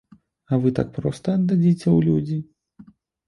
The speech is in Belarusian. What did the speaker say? А вы так проста аддадзіце ў людзі?